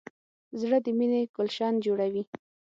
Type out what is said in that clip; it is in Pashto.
زړه د مینې ګلشن جوړوي.